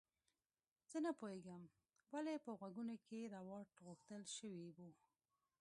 زه نه پوهیږم ولې په غوږونو کې روات غوښتل شوي وو